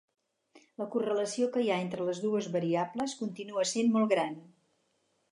La correlació que hi ha entre les dues variables continua essent molt gran.